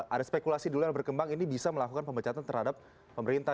ada spekulasi dulu yang berkembang ini bisa melakukan pemecatan terhadap pemerintah